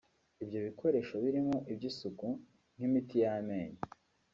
Ibyo bikoresho birimo iby’isuku nk’imiti y’amenyo